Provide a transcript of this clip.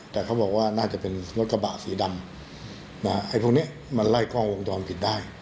แต่เขาบอกว่าน่าจะเป็นรถกระบะสีดำไอ้พวกนี้มันไล่กล้องวงจรปิดได้